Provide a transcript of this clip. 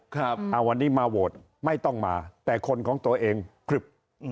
ครับเอาวันนี้มาโหวตไม่ต้องมาแต่คนของตัวเองครึบ